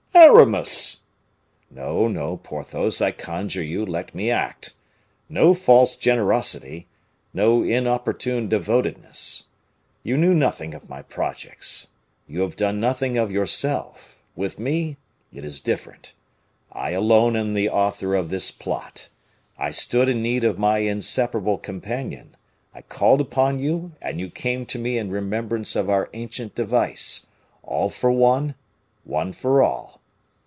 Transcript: "Aramis!" "No, no, Porthos, I conjure you, let me act. No false generosity! No inopportune devotedness! You knew nothing of my projects. You have done nothing of yourself. With me it is different. I alone am the author of this plot. I stood in need of my inseparable companion; I called upon you, and you came to me in remembrance of our ancient device, 'All for one, one for all.